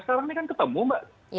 sekarang ini kan ketemu mbak